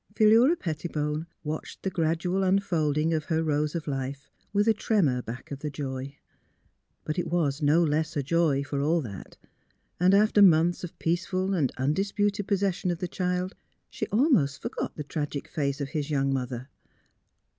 Philura Pettibone watched the gradual unfold ing of her rose of life with a tremor back of the joy. But it was no less a joy, for all that, and after months of peaceful and undisputed posses sion of the child she almost forgot the tragic face of his young mother.